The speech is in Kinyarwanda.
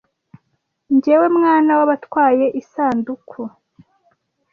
jyewe mwana w'abatwaye isanduku